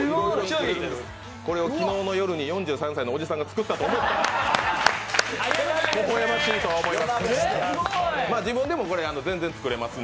これを昨日の夜に４３歳のおじさんが作ったと思ったら、ほほ笑ましいとは思います。